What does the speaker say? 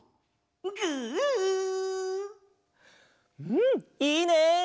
うんいいね！